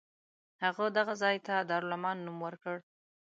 هغه دغه ځای ته دارالامان نوم ورکړ.